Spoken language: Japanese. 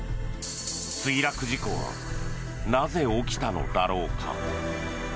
墜落事故はなぜ起きたのだろうか。